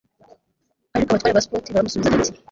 ariko abatware ba sukoti baramusubiza bati